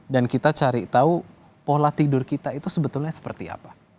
dan kita cari tahu pola tidur kita itu sebetulnya seperti apa